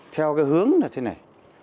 theo hướng này